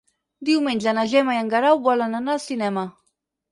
Diumenge na Gemma i en Guerau volen anar al cinema.